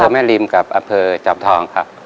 แม่ริมกับอำเภอจอมทองครับ